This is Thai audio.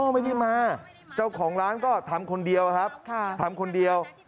ไม่ได้มาเจ้าของร้านก็ทำคนเดียวครับทำคนเดียว